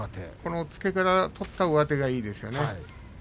押っつけから取った上手がいいですよね。